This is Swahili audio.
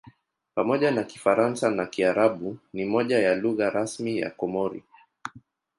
Pamoja na Kifaransa na Kiarabu ni moja ya lugha rasmi ya Komori.